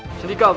dan sekali lagi